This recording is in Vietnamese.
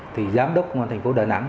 thì giám đốc công an thành phố đà nẵng